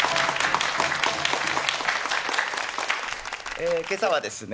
ええ今朝はですね